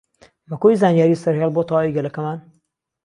مەکۆی زانیاری سەرهێڵ بۆ تەواوی گەلەکەمان